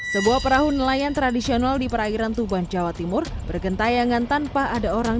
sebuah perahu nelayan tradisional di perairan tuban jawa timur bergentayangan tanpa ada orang